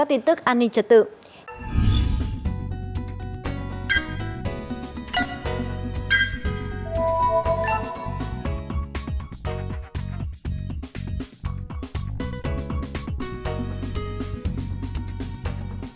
xin được chuyển sang các tin tức an ninh trật tự